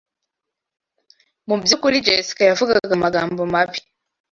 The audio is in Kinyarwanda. Mu by’ukuri Jessica yavugaga amagambo mabi,